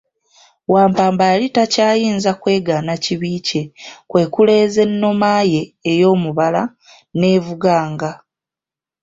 Wampamba yali takyayinza kwegaana kibi kye, kwe kuleeza ennoma ye ey'omubala n'evuganga.